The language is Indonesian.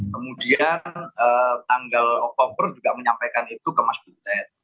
kemudian tanggal oktober juga menyampaikan itu ke mas butet